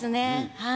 はい。